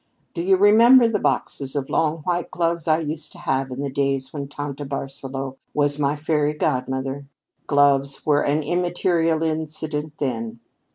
Do you remember the boxes of long white gloves I used to have in the days when tante Barsaloux was my fairy godmother? Gloves were an immaterial incident then.